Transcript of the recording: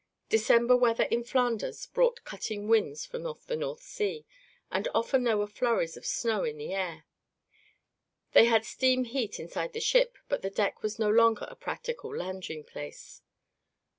December weather in Flanders brought cutting winds from off the North Sea and often there were flurries of snow in the air. They had steam heat inside the ship but the deck was no longer a practical lounging place.